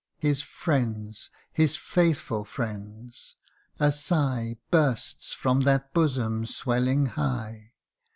His friends ! his faithful friends ! a sigh Bursts from that bosom swelling high.